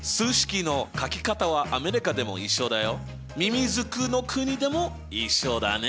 みみずくの国でも一緒だね。